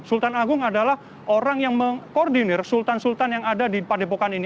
sultan agung adalah orang yang mengkoordinir sultan sultan yang ada di padepokan ini